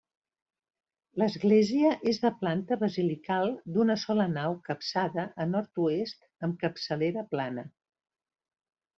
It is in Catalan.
L'església és de planta basilical, d'una sola nau capçada a nord-oest amb capçalera plana.